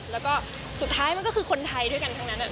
แล้วก็สุดท้ายมันก็คือคนไทยด้วยกันทั้งนั้น